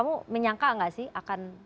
kamu menyangka gak sih akan